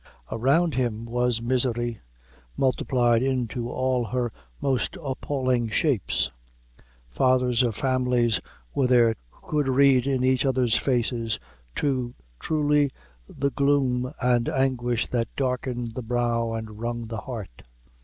Around him was misery, multiplied into all her most appalling shapes. Fathers of families were there, who could read in each other's faces too truly the gloom and anguish that darkened the brow and wrung the heart.